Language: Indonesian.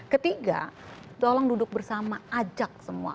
ketiga tolong duduk bersama ajak semua